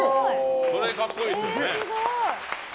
それ、格好いいですよね。